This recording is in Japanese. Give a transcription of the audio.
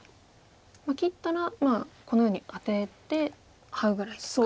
切ったらこのようにアテてハウぐらいですか。